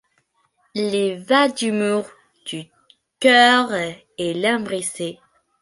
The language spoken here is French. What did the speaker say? Le bas du mur du chœur est lambrissé.